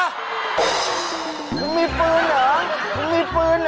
มึงมีปืนเหรอมึงมีปืนเหรอ